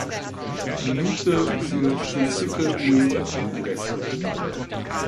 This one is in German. Minute für Shunsuke Ueda eingewechselt.